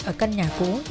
ở căn nhà cũ